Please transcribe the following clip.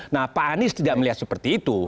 nah pak anies tidak melihat seperti itu